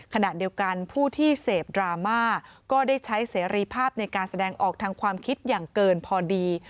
ขณะเดียวกันผู้ที่เสพดราม่าก็ได้ใช้เสรีภาพในการแสดงออกทางความคิดอย่างเกินพอดี